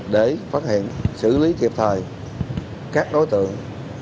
để phát hiện xử lý kịp thời các đối tượng